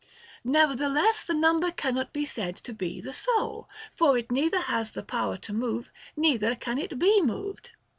Nevertheless, this number can not be said to be the soul ; for it neither has the power to move, neither can it be moved.